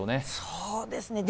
そうですね